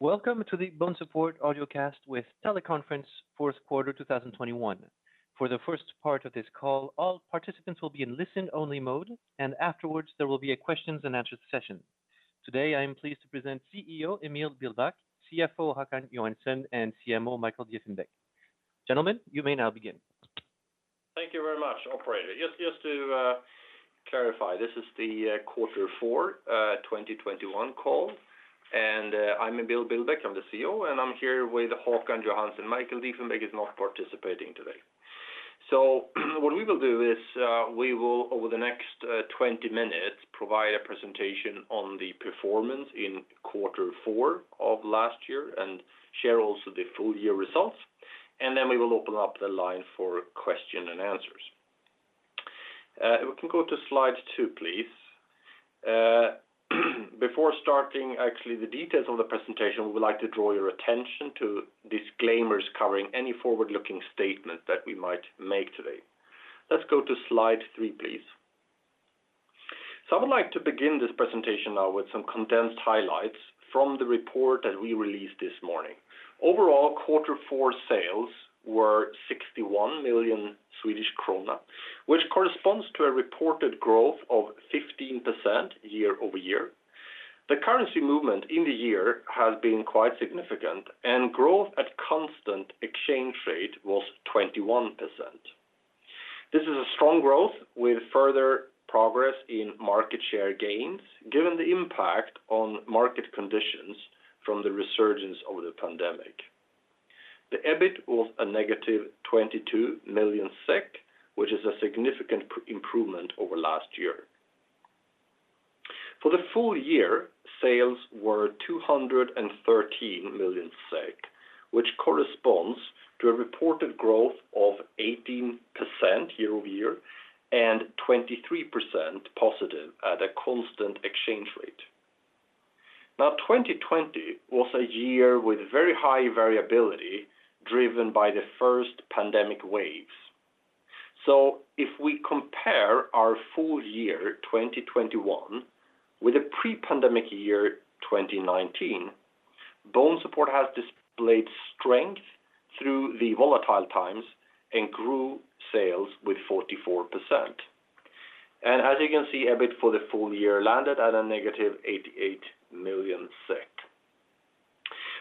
Welcome to the BONESUPPORT Audiocast with Teleconference Q4 2021. For the first part of this call, all participants will be in listen-only mode, and afterwards, there will be a questions and answers session. Today, I am pleased to present CEO Emil Billbäck, CFO Håkan Johansson, and CMO Michael Diefenbeck. Gentlemen, you may now begin. Thank you very much, operator. To clarify, this is the quarter four 2021 call. I'm Emil Billbäck, I'm the CEO, and I'm here with Håkan Johansson. Michael Diefenbeck is not participating today. What we will do is we will over the next 20 minutes provide a presentation on the performance in quarter four of last year and share also the full year results. Then we will open up the line for question and answers. We can go to slide 2, please. Before starting actually the details on the presentation, we would like to draw your attention to disclaimers covering any forward-looking statement that we might make today. Let's go to slide 3, please. I would like to begin this presentation now with some condensed highlights from the report that we released this morning. Overall, quarter four sales were 61 million Swedish krona, which corresponds to a reported growth of 15% year-over-year. The currency movement in the year has been quite significant, and growth at constant exchange rate was 21%. This is a strong growth with further progress in market share gains, given the impact on market conditions from the resurgence of the pandemic. The EBIT was -22 million SEK, which is a significant improvement over last year. For the full year, sales were 213 million, which corresponds to a reported growth of 18% year-over-year and +23% at a constant exchange rate. Now, 2020 was a year with very high variability driven by the first pandemic waves. If we compare our full year, 2021, with the pre-pandemic year, 2019, BONESUPPORT has displayed strength through the volatile times and grew sales with 44%. As you can see, EBIT for the full year landed at -88 million SEK.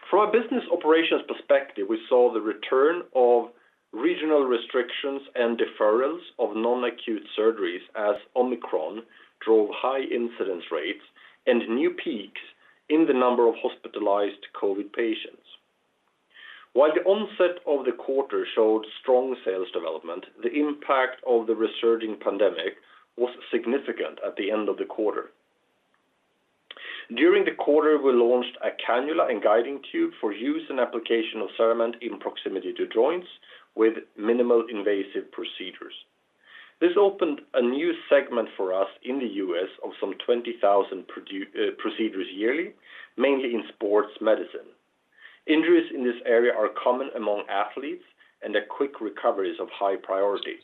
From a business operations perspective, we saw the return of regional restrictions and deferrals of non-acute surgeries as Omicron drove high incidence rates and new peaks in the number of hospitalized COVID patients. While the onset of the quarter showed strong sales development, the impact of the resurging pandemic was significant at the end of the quarter. During the quarter, we launched a cannula and guiding tube for use and application of CERAMENT in proximity to joints with minimally invasive procedures. This opened a new segment for us in the U.S. of some 20,000 procedures yearly, mainly in sports medicine. Injuries in this area are common among athletes, and a quick recovery is of high priority.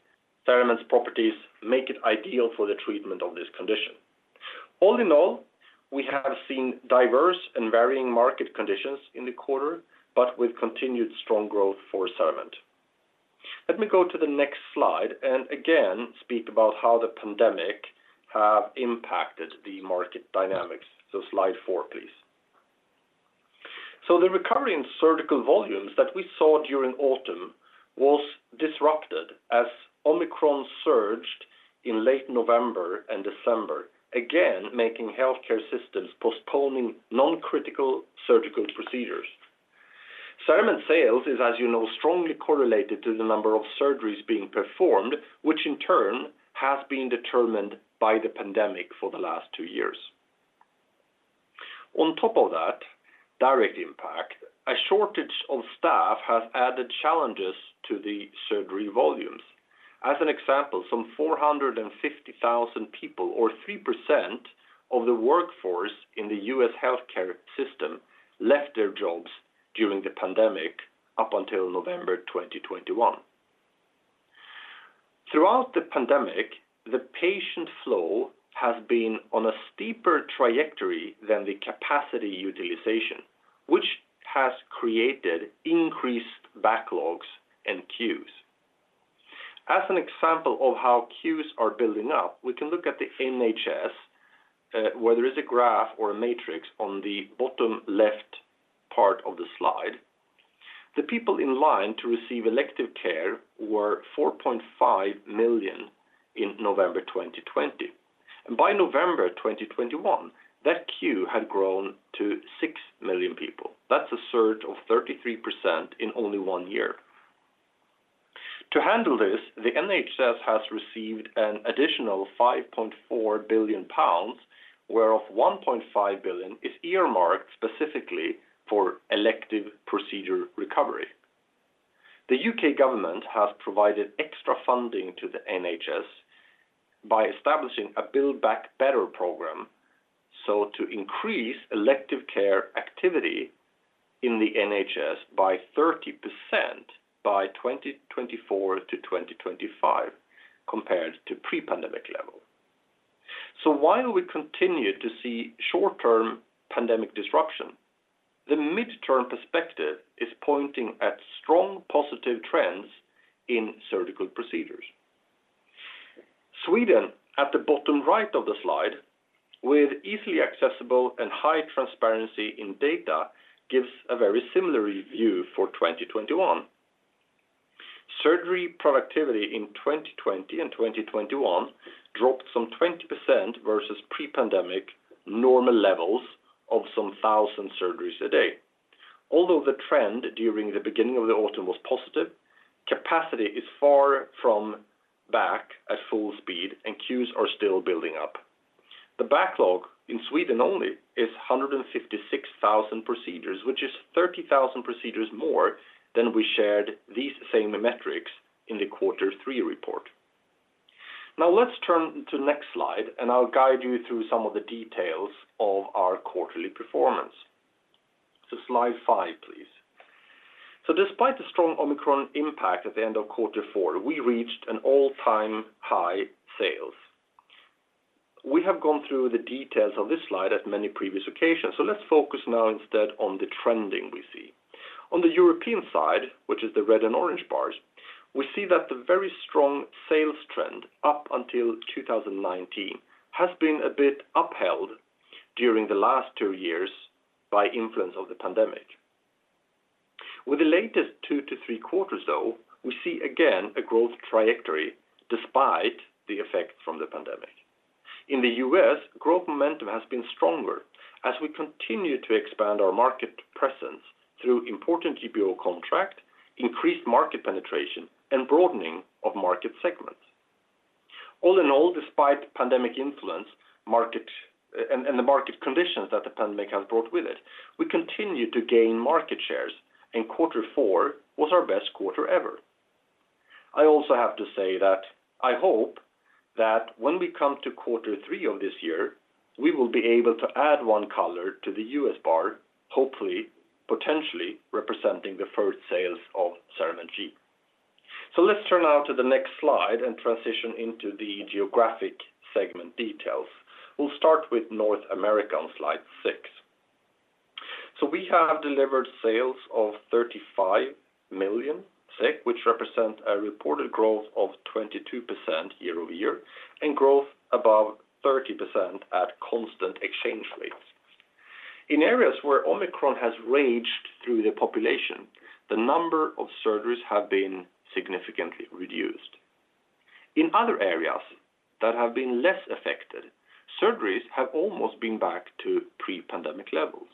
CERAMENT's properties make it ideal for the treatment of this condition. All in all, we have seen diverse and varying market conditions in the quarter, but with continued strong growth for CERAMENT. Let me go to the next slide and again speak about how the pandemic have impacted the market dynamics. Slide 4, please. The recovery in surgical volumes that we saw during autumn was disrupted as Omicron surged in late November and December, again, making healthcare systems postponing non-critical surgical procedures. CERAMENT sales is, as you know, strongly correlated to the number of surgeries being performed, which in turn has been determined by the pandemic for the last two years. On top of that direct impact, a shortage of staff has added challenges to the surgery volumes. As an example, some 450,000 people or 3% of the workforce in the U.S. healthcare system left their jobs during the pandemic up until November 2021. Throughout the pandemic, the patient flow has been on a steeper trajectory than the capacity utilization, which has created increased backlogs and queues. As an example of how queues are building up, we can look at the NHS, where there is a graph or a matrix on the bottom left part of the slide. The people in line to receive elective care were 4.5 million in November 2020. By November 2021, that queue had grown to 6 million people. That's a surge of 33% in only one year. To handle this, the NHS has received an additional 5.4 billion pounds, whereof 1.5 billion is earmarked specifically for elective procedure recovery. The U.K. government has provided extra funding to the NHS by establishing a Build Back Better program to increase elective care activity in the NHS by 30% by 2024-2025 compared to pre-pandemic level. While we continue to see short-term pandemic disruption, the midterm perspective is pointing at strong positive trends in surgical procedures. Sweden, at the bottom right of the slide, with easily accessible and high transparency in data, gives a very similar review for 2021. Surgery productivity in 2020 and 2021 dropped some 20% versus pre-pandemic normal levels of some thousand surgeries a day. Although the trend during the beginning of the autumn was positive, capacity is far from back at full speed, and queues are still building up. The backlog in Sweden only is 156,000 procedures, which is 30,000 procedures more than we shared these same metrics in the quarter three report. Now let's turn to next slide, and I'll guide you through some of the details of our quarterly performance. Slide 5, please. Despite the strong Omicron impact at the end of quarter four, we reached an all-time high sales. We have gone through the details of this slide at many previous occasions, so let's focus now instead on the trending we see. On the European side, which is the red and orange bars, we see that the very strong sales trend up until 2019 has been a bit upheld during the last two years by influence of the pandemic. With the latest two to three quarters, though, we see again a growth trajectory despite the effect from the pandemic. In the U.S., growth momentum has been stronger as we continue to expand our market presence through important GPO contract, increased market penetration, and broadening of market segments. All in all, despite pandemic influence and the market conditions that the pandemic has brought with it, we continue to gain market shares, and quarter four was our best quarter ever. I also have to say that I hope that when we come to quarter three of this year, we will be able to add one color to the U.S. bar, hopefully, potentially representing the first sales of CERAMENT G. Let's turn now to the next slide and transition into the geographic segment details. We'll start with North America on slide 6. We have delivered sales of 35 million, which represent a reported growth of 22% year-over-year and growth above 30% at constant exchange rates. In areas where Omicron has raged through the population, the number of surgeries have been significantly reduced. In other areas that have been less affected, surgeries have almost been back to pre-pandemic levels.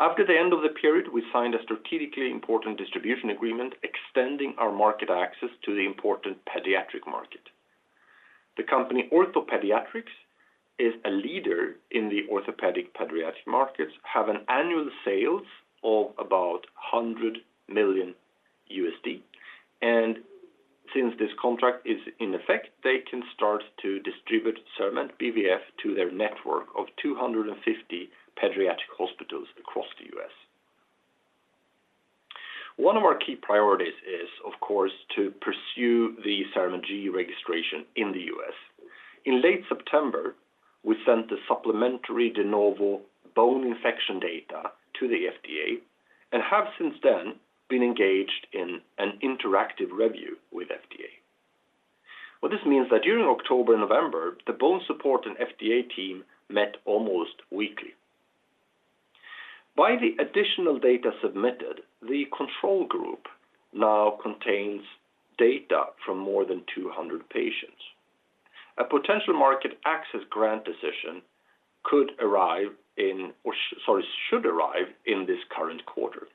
After the end of the period, we signed a strategically important distribution agreement extending our market access to the important pediatric market. The company OrthoPediatrics is a leader in the orthopedic pediatric markets and has annual sales of about $100 million. Since this contract is in effect, they can start to distribute CERAMENT BVF to their network of 250 pediatric hospitals across the U.S. One of our key priorities is, of course, to pursue the CERAMENT G registration in the U.S. In late September, we sent the supplementary De Novo bone infection data to the FDA and have since then been engaged in an interactive review with FDA. What this means that during October and November, the BONESUPPORT and FDA team met almost weekly. By the additional data submitted, the control group now contains data from more than 200 patients. A potential market access grant decision should arrive in this current quarter.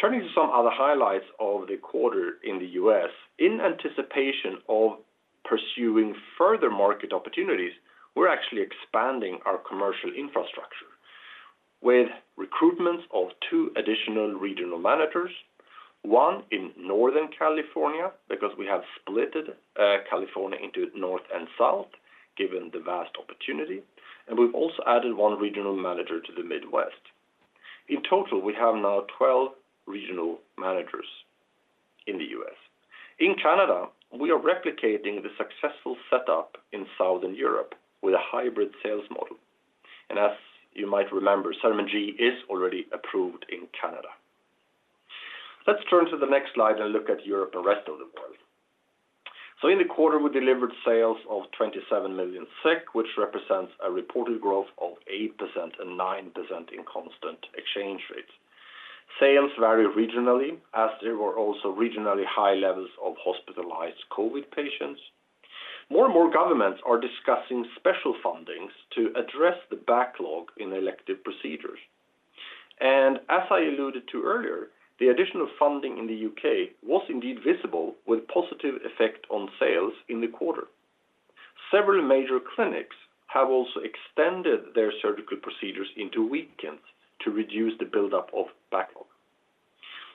Turning to some other highlights of the quarter in the U.S., in anticipation of pursuing further market opportunities, we're actually expanding our commercial infrastructure with recruitments of two additional regional managers, one in Northern California, because we have split California into North and South, given the vast opportunity. We've also added one regional manager to the Midwest. In total, we have now 12 regional managers in the U.S. In Canada, we are replicating the successful setup in Southern Europe with a hybrid sales model. And as you might remember, CERAMENT G is already approved in Canada. Let's turn to the next slide and look at Europe and rest of the world. In the quarter, we delivered sales of 27 million SEK, which represents a reported growth of 8% and 9% in constant exchange rates. Sales vary regionally as there were also regionally high levels of hospitalized COVID patients. More and more governments are discussing special funding to address the backlog in elective procedures. As I alluded to earlier, the additional funding in the U.K. was indeed visible with positive effect on sales in the quarter. Several major clinics have also extended their surgical procedures into weekends to reduce the buildup of backlogs.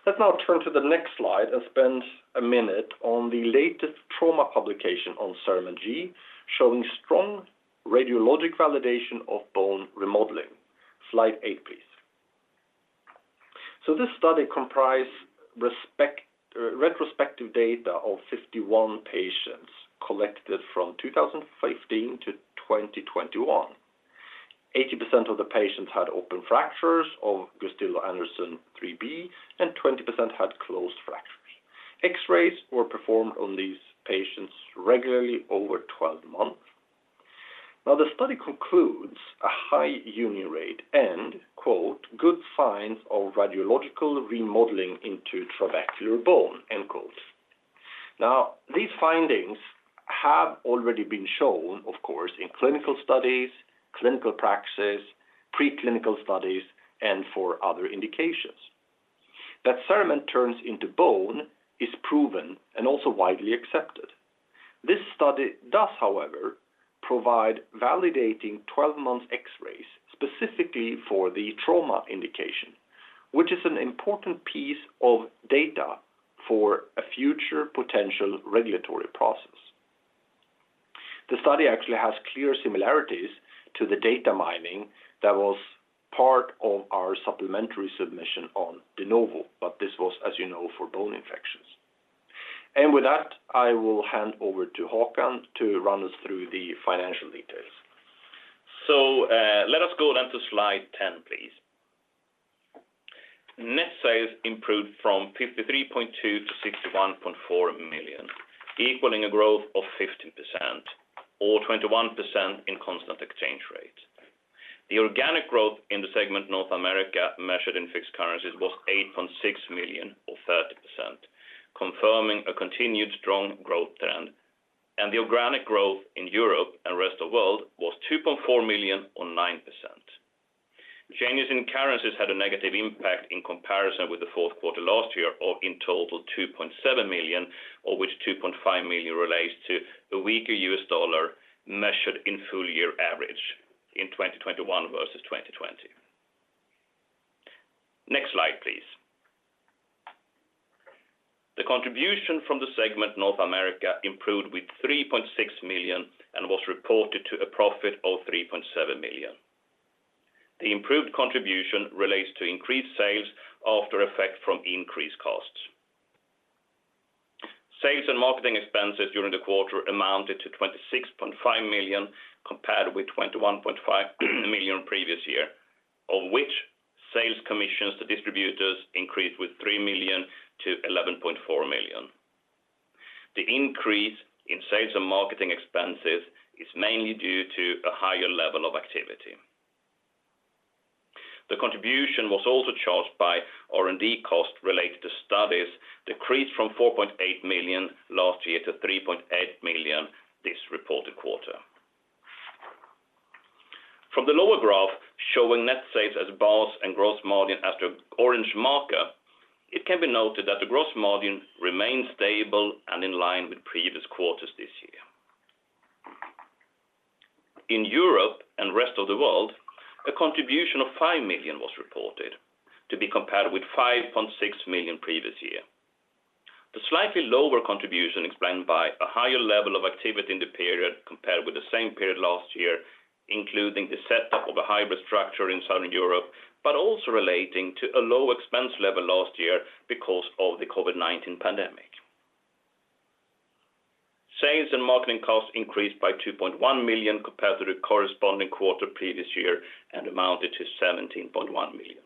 Let's now turn to the next slide and spend a minute on the latest trauma publication on CERAMENT G, showing strong radiologic validation of bone remodeling. Slide 8, please. So this study comprise retrospective data of 51 patients collected from 2015 to 2021. 80% of the patients had open fractures of Gustilo-Anderson IIIB, and 20% had closed fractures. X-rays were performed on these patients regularly over 12 months. Now, the study concludes a high union rate and, quote, "Good signs of radiological remodeling into trabecular bone," end quote. Now, these findings have already been shown, of course, in clinical studies, clinical practices, preclinical studies, and for other indications. That CERAMENT turns into bone is proven and also widely accepted. This study does, however, provide validating 12-month X-rays specifically for the trauma indication, which is an important piece of data for a future potential regulatory process. The study actually has clear similarities to the data mining that was part of our supplementary submission on De Novo, but this was, as you know, for bone infections. With that, I will hand over to Håkan to run us through the financial details. Let us go down to slide 10, please. Net sales improved from 53.2 million to 61.4 million, equaling a growth of 15% or 21% in constant exchange rate. The organic growth in the segment North America measured in fixed currencies was 8.6 million or 30%, confirming a continued strong growth trend. The organic growth in Europe and rest of world was 2.4 million or 9%. Changes in currencies had a negative impact in comparison with the Q4 last year or in total 2.7 million, of which 2.5 million relates to a weaker US dollar measured in full-year average in 2021 versus 2020. Next slide, please. The contribution from the segment North America improved with 3.6 million and was reported to a profit of 3.7 million. The improved contribution relates to increased sales offset by effects from increased costs. Sales and marketing expenses during the quarter amounted to 26.5 million compared with 21.5 million previous year, of which sales commissions to distributors increased with 3 million to 11.4 million. The increase in sales and marketing expenses is mainly due to a higher level of activity. The contribution was also charged with R&D costs related to studies, which decreased from 4.8 million last year to 3.8 million in the reported quarter. From the lower graph showing net sales as bars and gross margin as the orange marker, it can be noted that the gross margin remains stable and in line with previous quarters this year. In Europe and rest of the world, a contribution of 5 million was reported, to be compared with 5.6 million previous year. The slightly lower contribution is explained by a higher level of activity in the period compared with the same period last year, including the setup of a hybrid structure in Southern Europe, but also relating to a lower expense level last year because of the COVID-19 pandemic. Sales and marketing costs increased by 2.1 million compared to the corresponding quarter previous year and amounted to 17.1 million.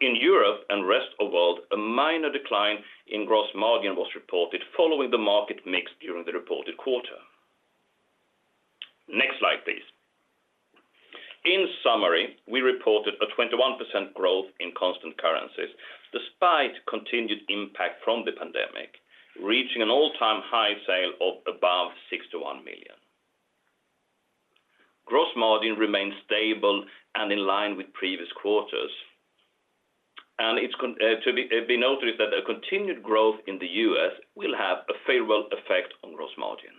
In Europe and rest of world, a minor decline in gross margin was reported following the market mix during the reported quarter. Next slide, please. In summary, we reported a 21% growth in constant currencies despite continued impact from the pandemic, reaching an all-time high sales of above 61 million. Gross margin remains stable and in line with previous quarters. It's to be noted that continued growth in the U.S. will have a favorable effect on gross margin.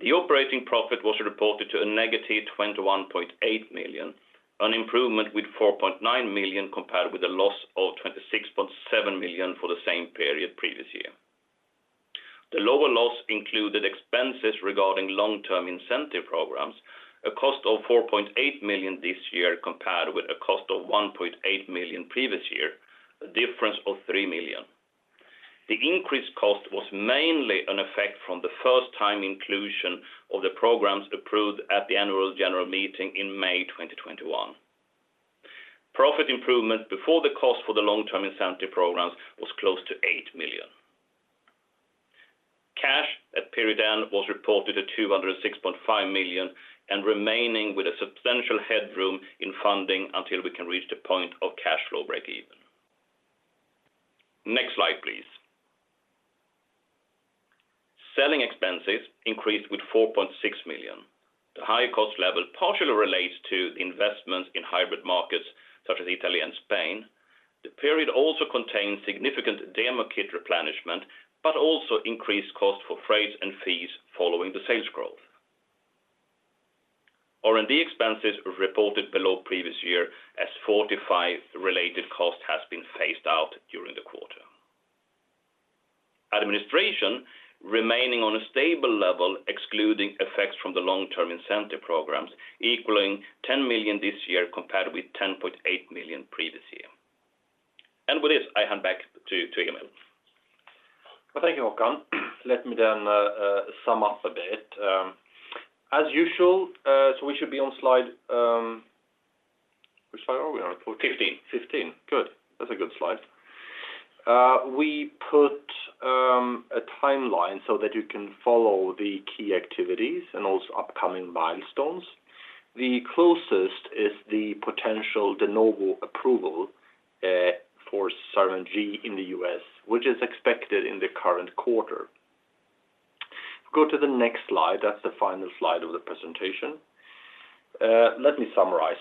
The operating profit was reported to a negative 21.8 million, an improvement with 4.9 million compared with a loss of 26.7 million for the same period previous year. The lower loss included expenses regarding long-term incentive programs, a cost of 4.8 million this year, compared with a cost of 1.8 million previous year, a difference of 3 million. The increased cost was mainly an effect from the first time inclusion of the programs approved at the annual general meeting in May 2021. Profit improvement before the cost for the long-term incentive programs was close to 8 million. Cash at period end was reported at 206.5 million, remaining with a substantial headroom in funding until we can reach the point of cash flow break-even. Next slide, please. Selling expenses increased with 4.6 million. The higher cost level partially relates to the investments in hybrid markets such as Italy and Spain. The period also contains significant demo kit replenishment, but also increased cost for freights and fees following the sales growth. R&D expenses reported below previous year as FORTIFY-related cost has been phased out during the quarter. Administration remaining on a stable level, excluding effects from the long-term incentive programs, equaling 10 million this year, compared with 10.8 million previous year. With this, I hand back to Emil. Well, thank you, Håkan. Let me then sum up a bit. As usual, we should be on slide. Which slide are we on? Fifteen. 15. Good. That's a good slide. We put a timeline so that you can follow the key activities and also upcoming milestones. The closest is the potential De Novo approval for CERAMENT G in the U.S., which is expected in the current quarter. Go to the next slide. That's the final slide of the presentation. Let me summarize.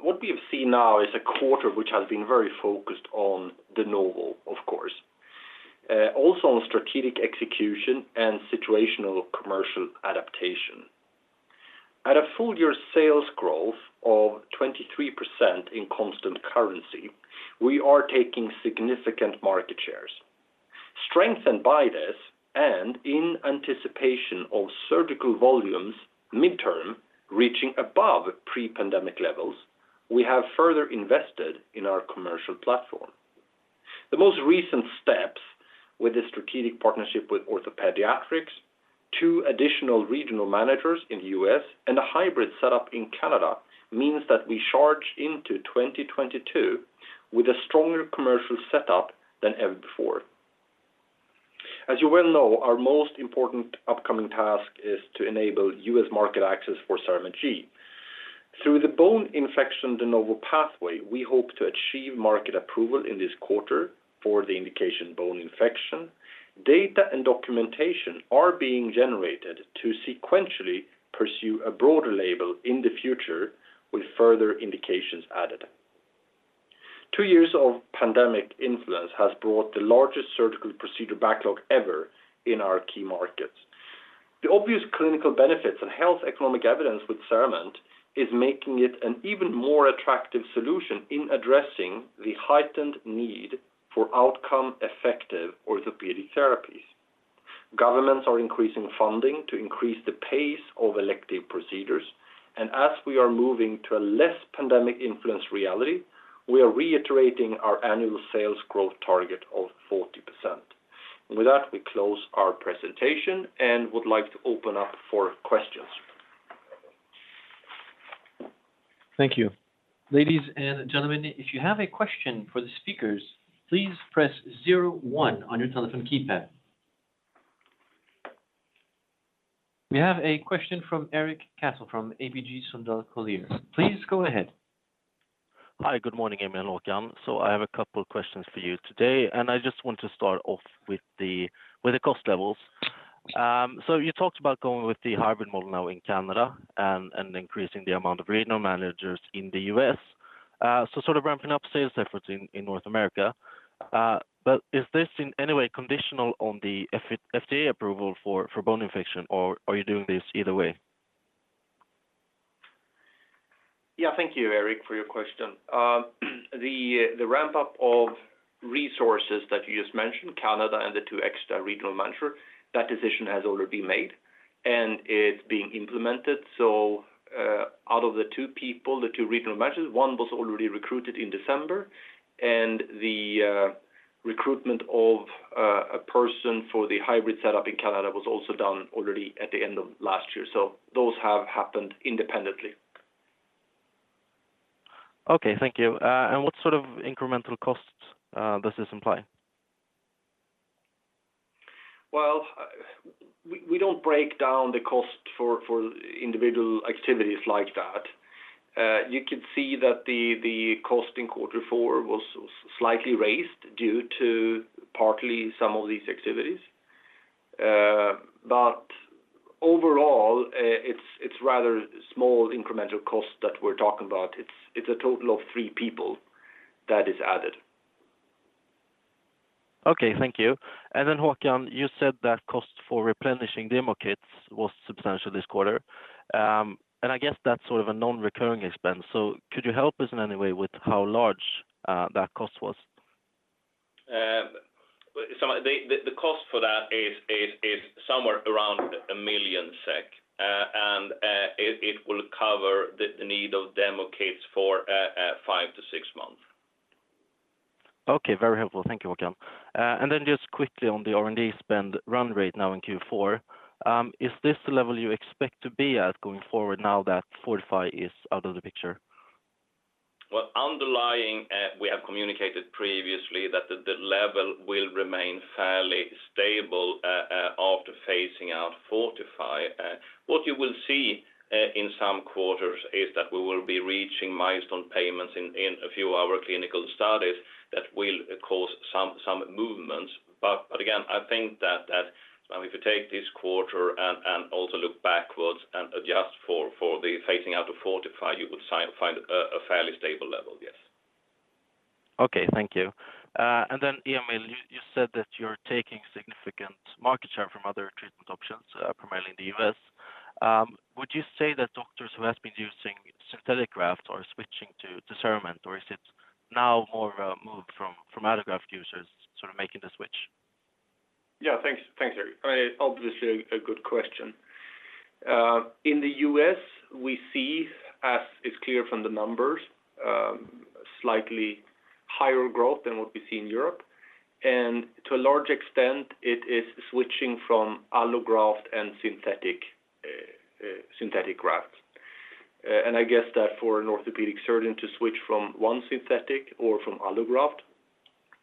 What we have seen now is a quarter which has been very focused on De Novo, of course, also on strategic execution and situational commercial adaptation. At a full year sales growth of 23% in constant currency, we are taking significant market shares. Strengthened by this, and in anticipation of surgical volumes midterm reaching above pre-pandemic levels, we have further invested in our commercial platform. The most recent steps with the strategic partnership with OrthoPediatrics, two additional regional managers in the U.S., and a hybrid setup in Canada, means that we charge into 2022 with a stronger commercial setup than ever before. As you well know, our most important upcoming task is to enable U.S. market access for CERAMENT G. Through the bone infection De Novo pathway, we hope to achieve market approval in this quarter for the indication bone infection. Data and documentation are being generated to sequentially pursue a broader label in the future with further indications added. Two years of pandemic influence has brought the largest surgical procedure backlog ever in our key markets. The obvious clinical benefits and health economic evidence with CERAMENT is making it an even more attractive solution in addressing the heightened need for outcome-effective orthopedic therapies. Governments are increasing funding to increase the pace of elective procedures, and as we are moving to a less pandemic influenced reality, we are reiterating our annual sales growth target of 40%. With that, we close our presentation and would like to open up for questions. Thank you. Ladies and gentlemen, if you have a question for the speakers, please press zero one on your telephone keypad. We have a question from Erik Cassel from ABG Sundal Collier. Please go ahead. Hi, good morning, Emil and Håkan. I have a couple of questions for you today, and I just want to start off with the cost levels. You talked about going with the hybrid model now in Canada and increasing the amount of regional managers in the U.S. Sort of ramping up sales efforts in North America. Is this in any way conditional on the FDA approval for bone infection or are you doing this either way? Yeah, thank you, Erik, for your question. The ramp up of resources that you just mentioned, Canada and the two extra regional manager, that decision has already been made and it's being implemented. Out of the two regional managers, one was already recruited in December and the recruitment of a person for the hybrid setup in Canada was also done already at the end of last year. Those have happened independently. Okay, thank you. What sort of incremental costs does this imply? Well, we don't break down the cost for individual activities like that. You can see that the cost in quarter four was slightly raised due to partly some of these activities. Overall, it's rather small incremental cost that we're talking about. It's a total of three people that is added. Okay, thank you. Håkan, you said that cost for replenishing demo kits was substantial this quarter. I guess that's sort of a non-recurring expense. Could you help us in any way with how large that cost was? The cost for that is somewhere around 1 million SEK, and it will cover the need of demo kits for five to six months. Okay, very helpful. Thank you, Håkan. Just quickly on the R&D spend run rate now in Q4, is this the level you expect to be at going forward now that FORTIFY is out of the picture? Well, underlying, we have communicated previously that the level will remain fairly stable after phasing out FORTIFY. What you will see in some quarters is that we will be reaching milestone payments in a few of our clinical studies that will cause some movements. Again, I think that if you take this quarter and also look backwards and adjust for the phasing out of FORTIFY, you would find a fairly stable level, yes. Okay, thank you. Emil, you said that you're taking significant market share from other treatment options, primarily in the U.S. Would you say that doctors who has been using synthetic grafts are switching to CERAMENT, or is it now more moved from allograft users sort of making the switch? Yeah, thanks, Erik. Obviously, a good question. In the U.S., we see, as is clear from the numbers, slightly higher growth than what we see in Europe. To a large extent, it is switching from allograft and synthetic grafts. I guess that for an orthopedic surgeon to switch from one synthetic or from allograft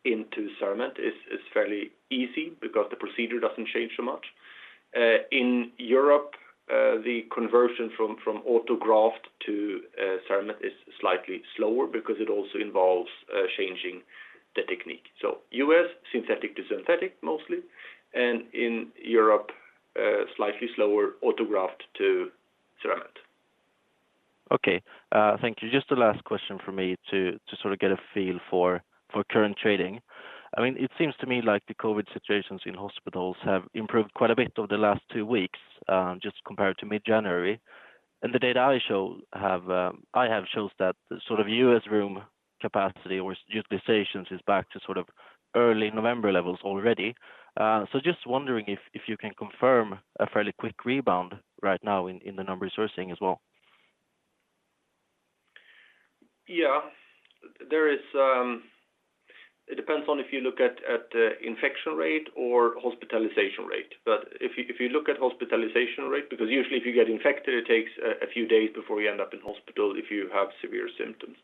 into CERAMENT is fairly easy because the procedure doesn't change so much. In Europe, the conversion from autograft to CERAMENT is slightly slower because it also involves changing the technique. U.S., synthetic to synthetic mostly, and in Europe, slightly slower autograft to CERAMENT. Okay, thank you. Just the last question from me to sort of get a feel for current trading. I mean, it seems to me like the COVID situations in hospitals have improved quite a bit over the last two weeks, just compared to mid-January. The data I have shows that the sort of U.S. room capacity or utilizations is back to sort of early November levels already. So just wondering if you can confirm a fairly quick rebound right now in the numbers you're seeing as well. Yeah. There is. It depends on if you look at infection rate or hospitalization rate. If you look at hospitalization rate, because usually if you get infected, it takes a few days before you end up in hospital if you have severe symptoms.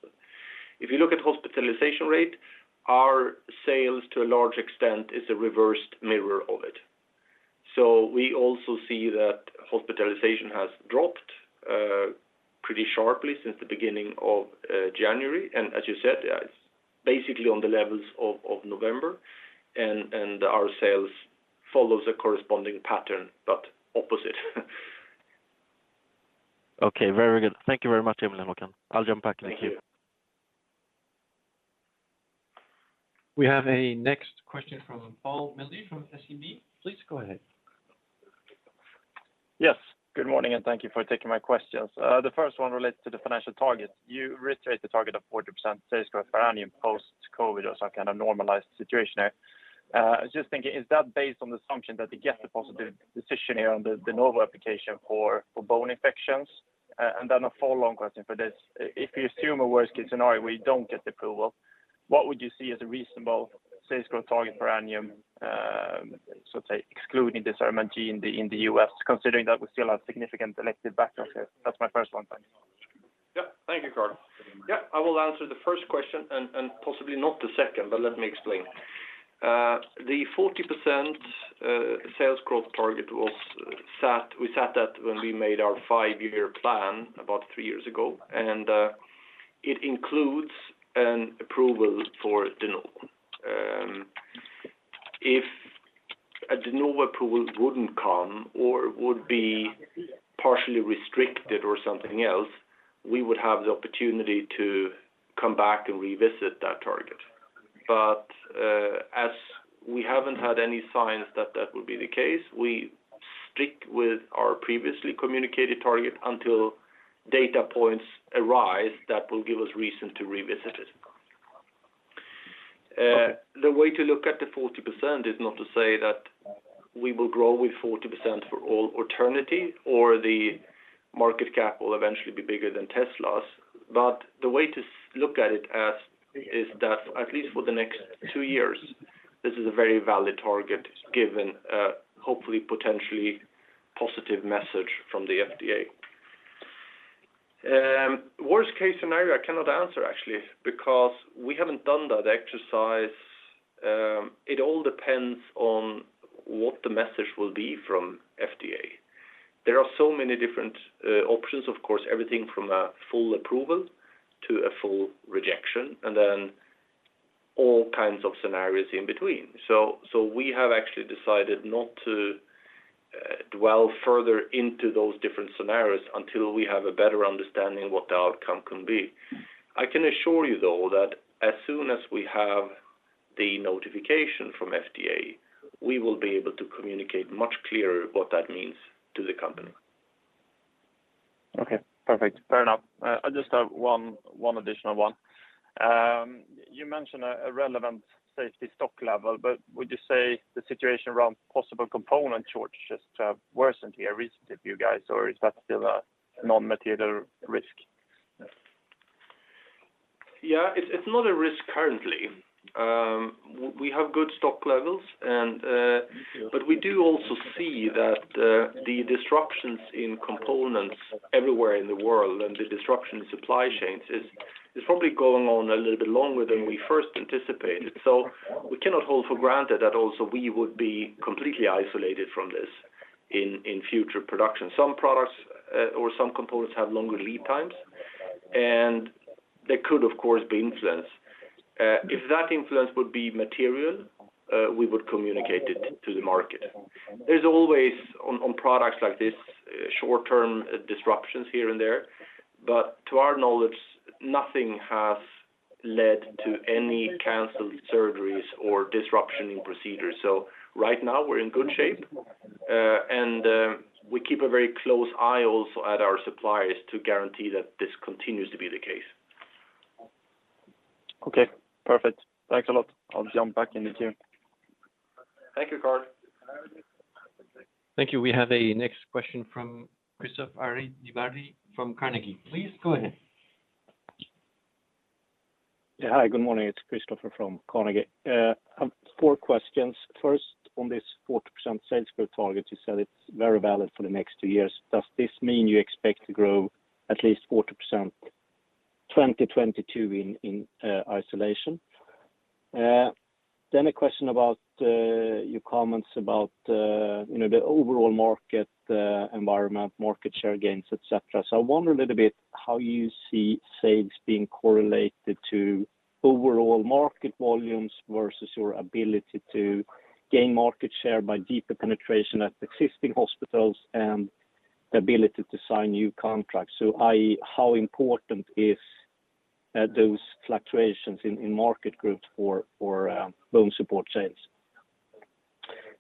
Our sales to a large extent is a reversed mirror of it. We also see that hospitalization has dropped pretty sharply since the beginning of January. As you said, it's basically on the levels of November and our sales follows a corresponding pattern but opposite. Okay, very good. Thank you very much, Emil and Håkan. I'll jump back in the queue. Thank you. We have a next question from Carl Melzig from SEB. Please go ahead. Yes. Good morning, and thank you for taking my questions. The first one relates to the financial target. You reiterate the target of 40% sales growth per annum post-COVID or some kind of normalized situation there. I was just thinking, is that based on the assumption that you get the positive decision here on the De Novo application for bone infections? A follow-on question for this. If you assume a worst-case scenario where you don't get the approval, what would you see as a reasonable sales growth target per annum, so say, excluding the CERAMENT G in the U.S., considering that we still have significant elective backlog there? That's my first one. Thanks. Yeah. Thank you, Carl Melzig. Yeah, I will answer the first question and possibly not the second, but let me explain. The 40% sales growth target was set when we made our five-year plan about three years ago, and it includes an approval for De Novo. If a De Novo approval wouldn't come or would be partially restricted or something else, we would have the opportunity to come back and revisit that target. But as we haven't had any signs that that will be the case, we stick with our previously communicated target until data points arise that will give us reason to revisit it. Okay. The way to look at the 40% is not to say that we will grow with 40% for all eternity or the market cap will eventually be bigger than Tesla's, but the way to look at it as is that at least for the next two years, this is a very valid target, given a hopefully potentially positive message from the FDA. Worst-case scenario, I cannot answer actually, because we haven't done that exercise. It all depends on what the message will be from FDA. There are so many different options, of course, everything from a full approval to a full rejection, and then all kinds of scenarios in between. We have actually decided not to dwell further into those different scenarios until we have a better understanding what the outcome can be. I can assure you, though, that as soon as we have the notification from FDA, we will be able to communicate much clearer what that means to the company. Okay. Perfect. Fair enough. I just have one additional one. You mentioned a relevant safety stock level, but would you say the situation around possible component shortages have worsened here recently for you guys, or is that still a non-material risk? Yeah. It's not a risk currently. We have good stock levels and, but we do also see that the disruptions in components everywhere in the world and the disruption in supply chains is probably going on a little bit longer than we first anticipated. We cannot hold for granted that also we would be completely isolated from this in future production. Some products or some components have longer lead times, and they could, of course, be influenced. If that influence would be material. We would communicate it to the market. There's always on products like this short-term disruptions here and there. But to our knowledge, nothing has led to any canceled surgeries or disruption in procedures. So right now we're in good shape. We keep a very close eye also at our suppliers to guarantee that this continues to be the case. Okay. Perfect. Thanks a lot. I'll jump back in the queue. Thank you, Carl. Thank you. We have a next question from Kristofer Liljeberg from Carnegie. Please go ahead. Hi, good morning. It's Kristofer from Carnegie. I have four questions. First, on this 40% sales growth target, you said it's very valid for the next two years. Does this mean you expect to grow at least 40% 2022 in isolation? Then a question about your comments about you know the overall market environment, market share gains, et cetera. I wonder a little bit how you see sales being correlated to overall market volumes versus your ability to gain market share by deeper penetration at existing hospitals and the ability to sign new contracts. i.e., how important is those fluctuations in market growth for BONESUPPORT sales?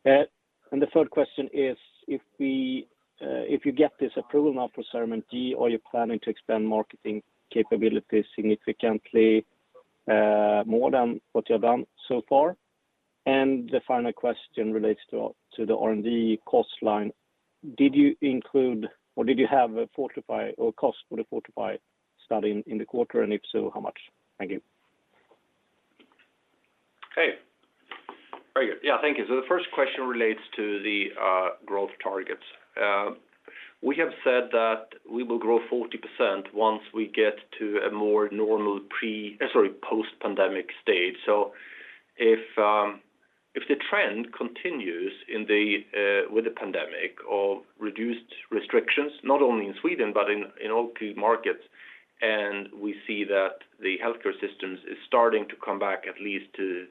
The third question is if you get this approval now for CERAMENT G, are you planning to expand marketing capabilities significantly, more than what you have done so far? The final question relates to the R&D cost line. Did you include or did you have a FORTIFY cost for the FORTIFY study in the quarter? And if so, how much? Thank you. Okay. Very good. Yeah, thank you. The first question relates to the growth targets. We have said that we will grow 40% once we get to a more normal post-pandemic state. If the trend continues with the pandemic of reduced restrictions, not only in Sweden but in all key markets, and we see that the healthcare systems is starting to come back at least as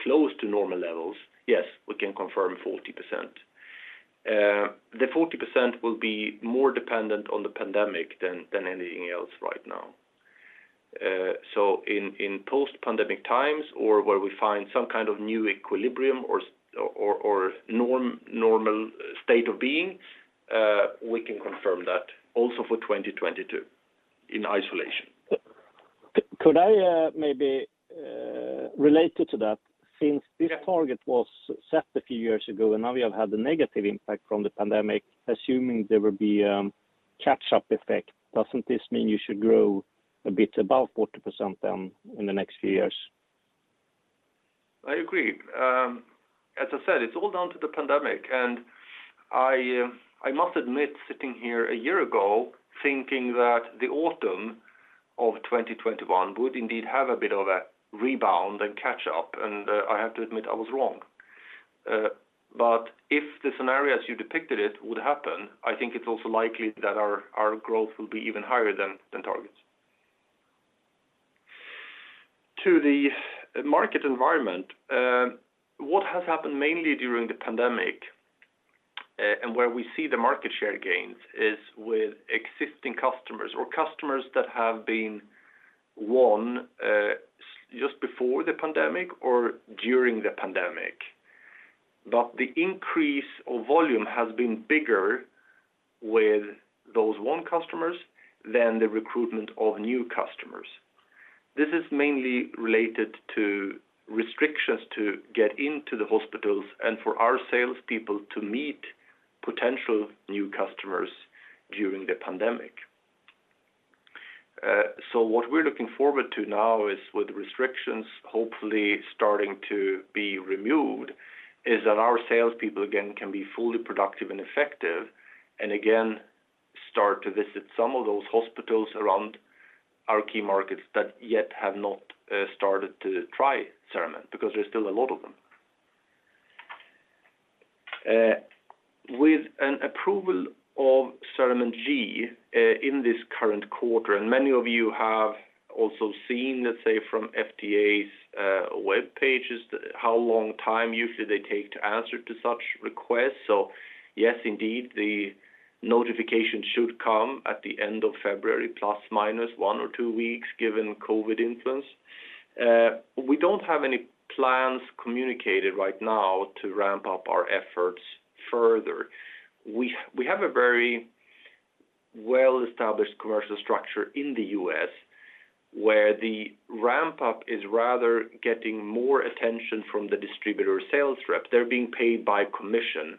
close to normal levels, yes, we can confirm 40%. The 40% will be more dependent on the pandemic than anything else right now. In post-pandemic times or where we find some kind of new equilibrium or normal state of being, we can confirm that also for 2022 in isolation. Could I maybe related to that, since this target was set a few years ago and now we have had the negative impact from the pandemic, assuming there will be catch-up effect, doesn't this mean you should grow a bit above 40% then in the next few years? I agree. As I said, it's all down to the pandemic. I must admit sitting here a year ago thinking that the autumn of 2021 would indeed have a bit of a rebound and catch up, and I have to admit I was wrong. If the scenario as you depicted it would happen, I think it's also likely that our growth will be even higher than targets. To the market environment, what has happened mainly during the pandemic, and where we see the market share gains is with existing customers or customers that have been won just before the pandemic or during the pandemic. The increase of volume has been bigger with those won customers than the recruitment of new customers. This is mainly related to restrictions to get into the hospitals and for our salespeople to meet potential new customers during the pandemic. What we're looking forward to now is, with restrictions hopefully starting to be removed, that our salespeople again can be fully productive and effective and again start to visit some of those hospitals around our key markets that yet have not started to try CERAMENT, because there's still a lot of them. With an approval of CERAMENT G in this current quarter, and many of you have also seen, let's say from FDA's web pages, how long time usually they take to answer to such requests. Yes, indeed, the notification should come at the end of February, plus minus one or two weeks, given COVID influence. We don't have any plans communicated right now to ramp up our efforts further. We have a very well-established commercial structure in the U.S. where the ramp-up is rather getting more attention from the distributor sales rep. They're being paid by commission.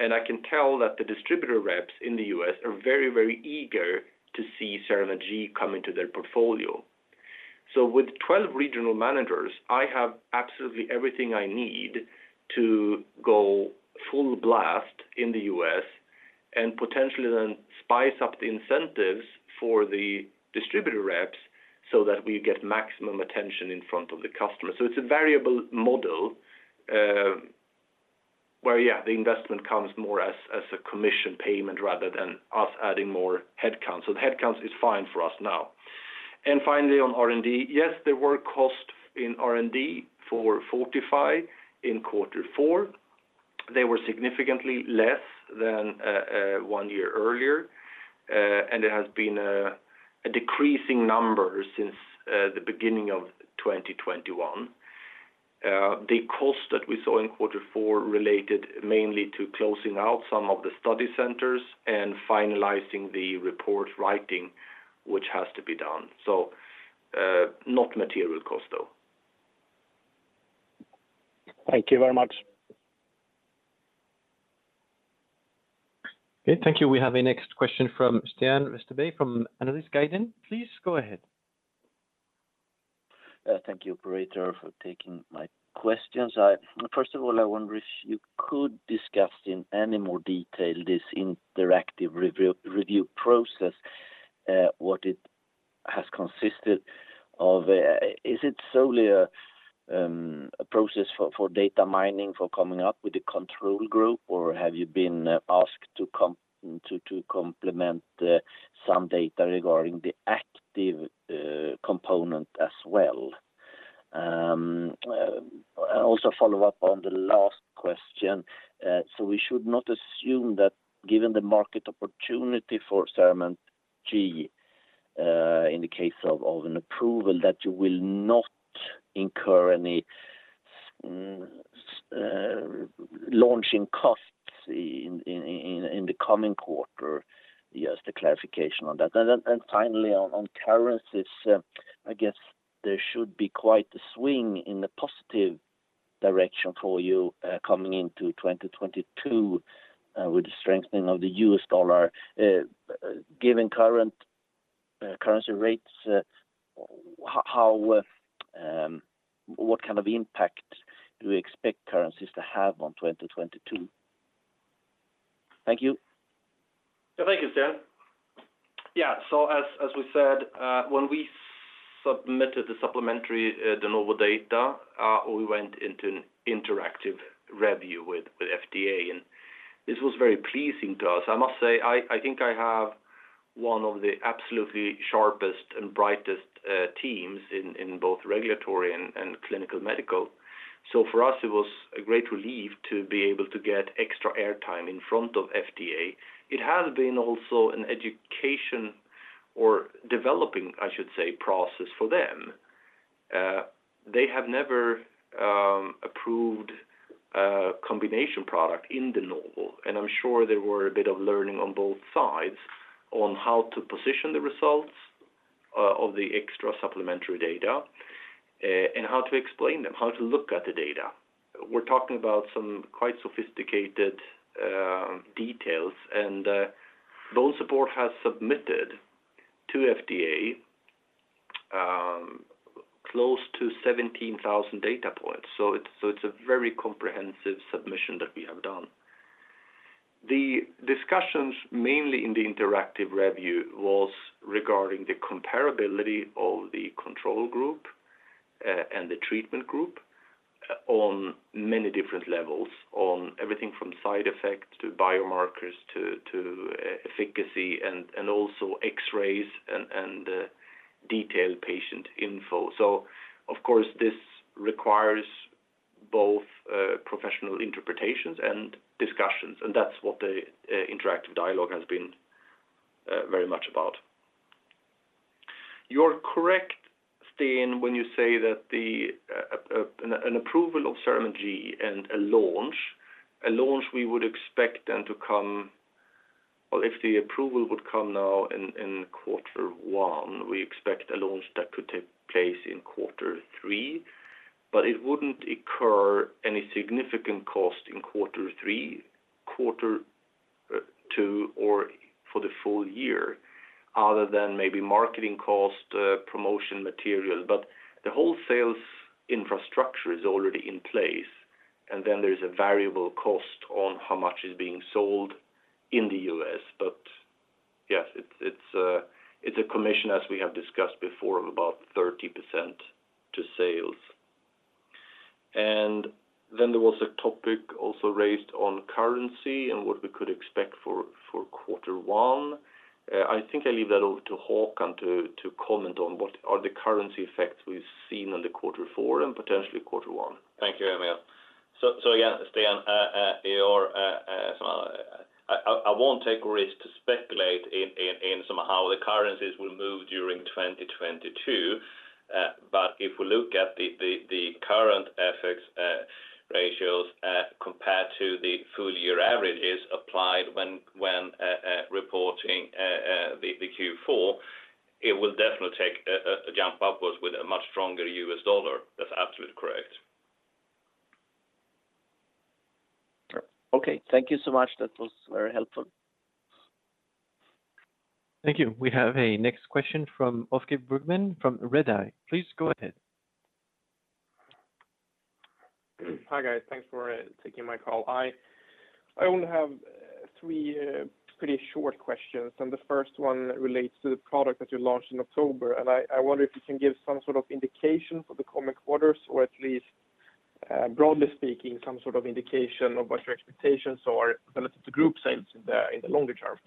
I can tell that the distributor reps in the U.S. are very, very eager to see CERAMENT G come into their portfolio. With 12 regional managers, I have absolutely everything I need to go full blast in the U.S. and potentially then spice up the incentives for the distributor reps so that we get maximum attention in front of the customer. It's a variable model, the investment comes more as a commission payment rather than us adding more headcounts. The headcounts is fine for us now. Finally, on R&D, yes, there were costs in R&D for SEK 45 in quarter four. They were significantly less than one year earlier. It has been a decreasing number since the beginning of 2021. The cost that we saw in quarter four related mainly to closing out some of the study centers and finalizing the report writing, which has to be done. Not material cost, though. Thank you very much. Okay. Thank you. We have a next question from Sten Westerberg from Analysguiden. Please go ahead. Thank you operator for taking my questions. First of all, I wonder if you could discuss in any more detail this interactive review process, what it has consisted of. Is it solely a process for data mining, for coming up with a control group, or have you been asked to complement some data regarding the active component as well? Also follow up on the last question. So we should not assume that given the market opportunity for CERAMENT G, in the case of an approval that you will not incur any launching costs in the coming quarter. Just a clarification on that. Finally on currencies, I guess there should be quite a swing in the positive direction for you, coming into 2022, with the strengthening of the U.S. dollar. Given current currency rates, what kind of impact do we expect currencies to have on 2022? Thank you. Thank you, Sten. Yeah. As we said, when we submitted the supplementary De Novo data, we went into an interactive review with FDA, and this was very pleasing to us. I must say, I think I have one of the absolutely sharpest and brightest teams in both regulatory and clinical medical. For us, it was a great relief to be able to get extra air time in front of FDA. It has been also an educational or developing, I should say, process for them. They have never approved a combination product in De Novo, and I'm sure there were a bit of learning on both sides on how to position the results of the extra supplementary data and how to explain them, how to look at the data. We're talking about some quite sophisticated details. BONESUPPORT has submitted to FDA close to 17,000 data points. It's a very comprehensive submission that we have done. The discussions, mainly in the interactive review, was regarding the comparability of the control group and the treatment group on many different levels, on everything from side effects to biomarkers to efficacy and also X-rays and detailed patient info. This requires both professional interpretations and discussions, and that's what the interactive dialogue has been very much about. You're correct, Sten, when you say that an approval of CERAMENT G and a launch. We would expect then to come. Well, if the approval would come now in quarter one, we expect a launch that could take place in quarter three, but it wouldn't incur any significant cost in quarter three, quarter two, or for the full year, other than maybe marketing cost, promotion material. The whole sales infrastructure is already in place. Then there's a variable cost on how much is being sold in the U.S. Yes, it's a commission, as we have discussed before, of about 30% to sales. There was a topic also raised on currency and what we could expect for quarter one. I think I leave that over to Håkan to comment on what are the currency effects we've seen in quarter four and potentially quarter one. Thank you, Emil Billbäck. Yeah, Sten Westerberg, I won't take the risk to speculate on how the currencies will move during 2022. If we look at the current FX ratios compared to the full year averages applied when reporting the Q4, it will definitely take a jump upwards with a much stronger U.S. dollar. That's absolutely correct. Okay. Thank you so much. That was very helpful. Thank you. We have a next question from Oscar Bergman from Redeye. Please go ahead. Hi, guys. Thanks for taking my call. I only have three pretty short questions, and the first one relates to the product that you launched in October. I wonder if you can give some sort of indication for the coming quarters or at least, broadly speaking, some sort of indication of what your expectations are relative to group sales in the longer term.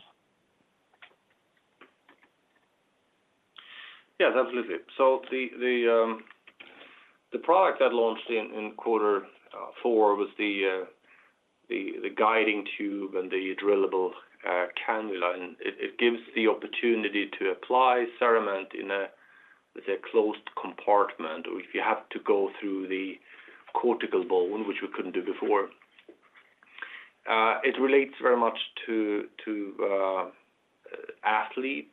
Yeah, absolutely. The product that launched in quarter four was the guiding tube and the drillable cannula. It gives the opportunity to apply CERAMENT in a, let's say, closed compartment, or if you have to go through the cortical bone, which we couldn't do before. It relates very much to athletes,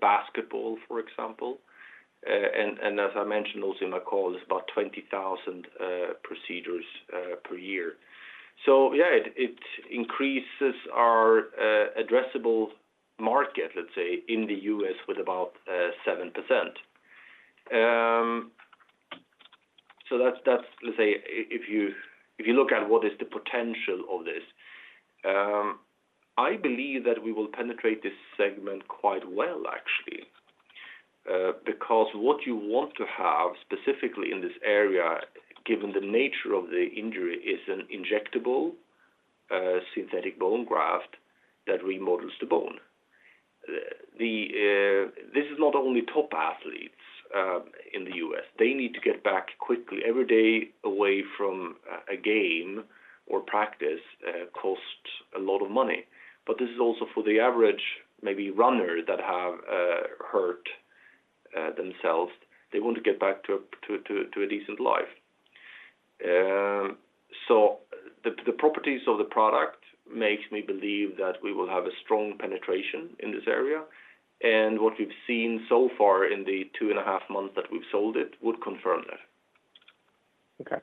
basketball, for example, and as I mentioned also in my call, it's about 20,000 procedures per year. Yeah, it increases our addressable market, let's say, in the U.S. with about 7%. That's, let's say, if you look at what is the potential of this, I believe that we will penetrate this segment quite well, actually. Because what you want to have specifically in this area, given the nature of the injury, is an injectable synthetic bone graft that remodels the bone. This is not only top athletes in the U.S. They need to get back quickly. Every day away from a game or practice costs a lot of money. This is also for the average maybe runner that have hurt themselves. They want to get back to a decent life. The properties of the product makes me believe that we will have a strong penetration in this area, and what we've seen so far in the two and a half months that we've sold it would confirm that. Okay.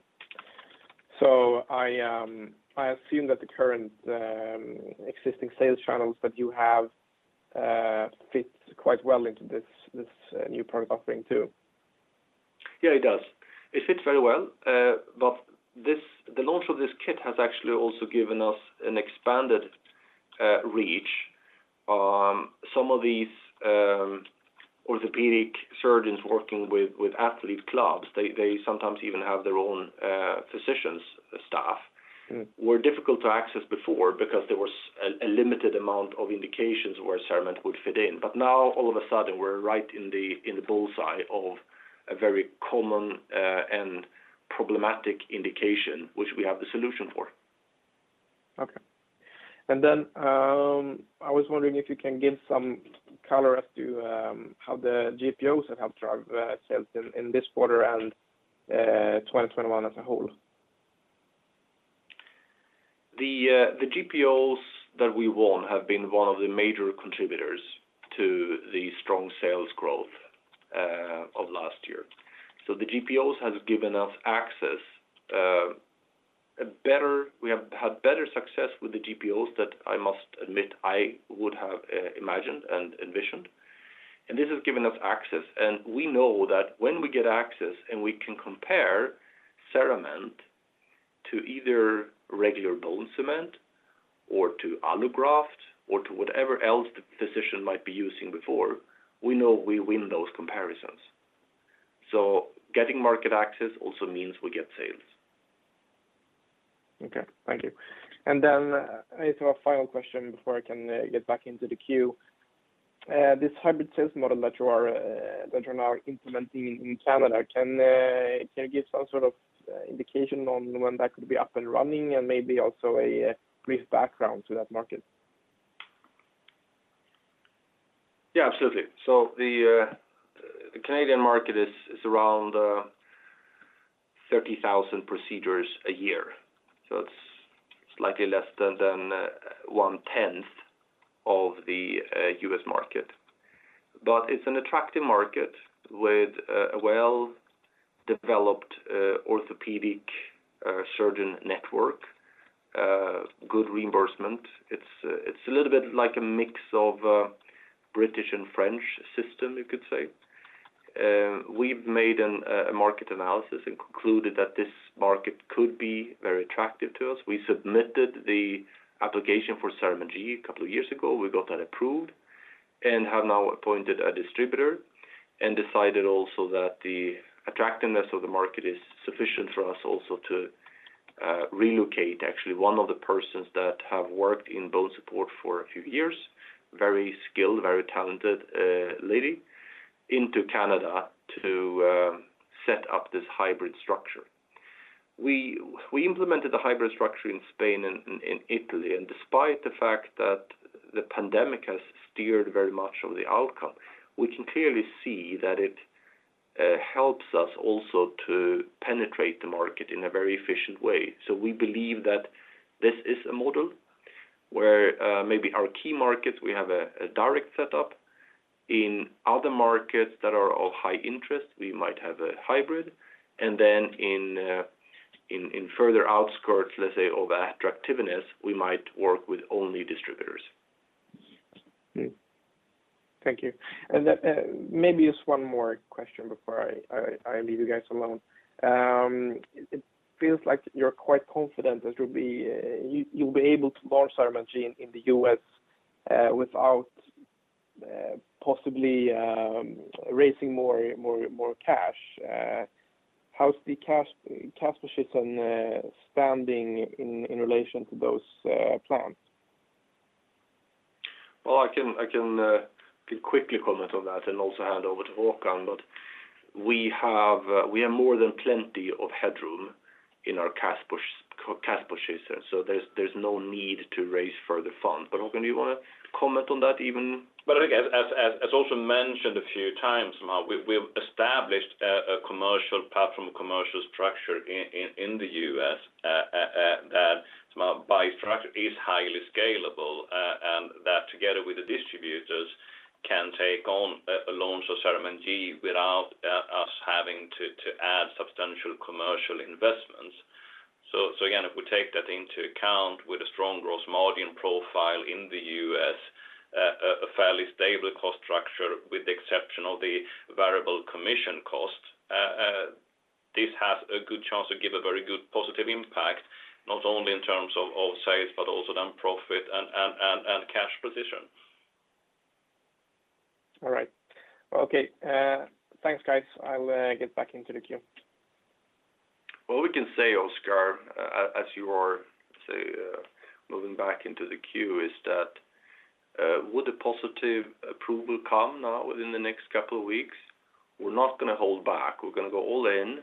I assume that the current existing sales channels that you have fits quite well into this new product offering too. Yeah, it does. It fits very well. The launch of this kit has actually also given us an expanded reach. Some of these orthopedic surgeons working with athlete clubs, they sometimes even have their own physicians staff. Mm-hmm Were difficult to access before because there was a limited amount of indications where CERAMENT would fit in. Now all of a sudden, we're right in the bull's eye of a very common and problematic indication, which we have the solution for. Okay. I was wondering if you can give some color as to how the GPOs have helped drive sales in this quarter and 2021 as a whole. The GPOs that we won have been one of the major contributors to the strong sales growth of last year. The GPOs has given us access. We have had better success with the GPOs that I must admit I would have imagined and envisioned, and this has given us access. We know that when we get access, and we can compare CERAMENT to either regular bone cement or to allograft or to whatever else the physician might be using before, we know we win those comparisons. Getting market access also means we get sales. Okay. Thank you. I just have a final question before I can get back into the queue. This hybrid sales model that you're now implementing in Canada, can you give some sort of indication on when that could be up and running and maybe also a brief background to that market? Yeah, absolutely. The Canadian market is around 30,000 procedures a year, so it's slightly less than one tenth of the U.S. market. It's an attractive market with a well-developed orthopedic surgeon network, good reimbursement. It's a little bit like a mix of British and French system, you could say. We've made a market analysis and concluded that this market could be very attractive to us. We submitted the application for CERAMENT G a couple of years ago. We got that approved and have now appointed a distributor and decided also that the attractiveness of the market is sufficient for us also to relocate actually one of the persons that have worked in BONESUPPORT for a few years, very skilled, very talented lady, into Canada to set up this hybrid structure. We implemented the hybrid structure in Spain and in Italy. Despite the fact that the pandemic has steered very much of the outcome, we can clearly see that it helps us also to penetrate the market in a very efficient way. We believe that this is a model where maybe our key markets, we have a direct setup. In other markets that are of high interest, we might have a hybrid. In further outskirts, let's say, of attractiveness, we might work with only distributors. Thank you. That maybe just one more question before I leave you guys alone. It feels like you're quite confident that you'll be able to launch CERAMENT G in the U.S. without possibly raising more cash. How's the cash position standing in relation to those plans? Well, I can quickly comment on that and also hand over to Håkan. We have more than plenty of headroom in our cash position. There's no need to raise further funds. Håkan, do you wanna comment on that even? Again, as also mentioned a few times now, we've established a commercial platform, commercial structure in the U.S., that structure is highly scalable, and that together with the distributors can take on a launch of CERAMENT G without us having to add substantial commercial investments. Again, if we take that into account with a strong gross margin profile in the U.S., a fairly stable cost structure with the exception of the variable commission cost, this has a good chance to give a very good positive impact, not only in terms of sales, but also then profit and cash position. All right. Okay. Thanks, guys. I'll get back into the queue. What we can say, Oscar, as you are moving back into the queue is that, would a positive approval come now within the next couple of weeks, we're not gonna hold back. We're gonna go all in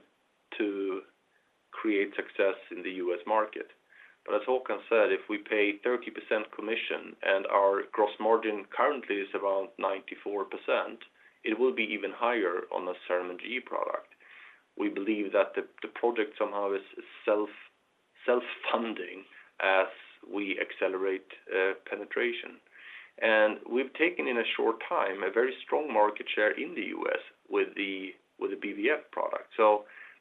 to create success in the U.S. market. As Håkan said, if we pay 30% commission and our gross margin currently is around 94%, it will be even higher on the CERAMENT G product. We believe that the product somehow is self-funding as we accelerate penetration. We've taken in a short time a very strong market share in the U.S. with the BVF product.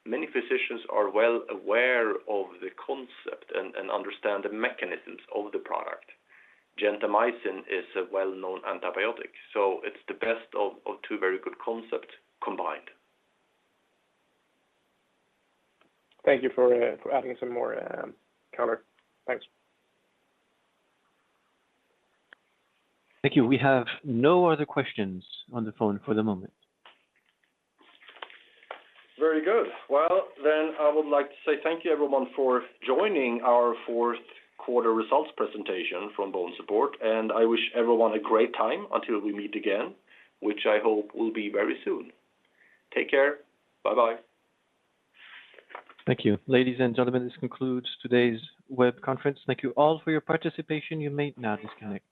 Many physicians are well aware of the concept and understand the mechanisms of the product. gentamicin is a well-known antibiotic, so it's the best of two very good concept combined. Thank you for adding some more color. Thanks. Thank you. We have no other questions on the phone for the moment. Very good. Well, then I would like to say thank you everyone for joining our Q4 results presentation from BONESUPPORT, and I wish everyone a great time until we meet again, which I hope will be very soon. Take care. Bye-bye. Thank you. Ladies and gentlemen, this concludes today's web conference. Thank you all for your participation. You may now disconnect.